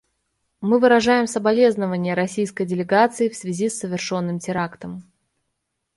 Мы выражаем соболезнования российской делегации в связи с совершенным терактом.